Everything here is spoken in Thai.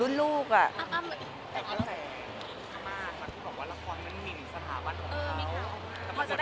เนื้อหาดีกว่าน่ะเนื้อหาดีกว่าน่ะ